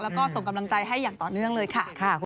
แล้วก็ส่งกำลังใจให้อย่างต่อเนื่องเลยค่ะ